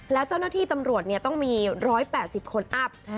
แล้วเจ้าหน้าที่ตำรวจต้องมี๑๘๐คนอัพ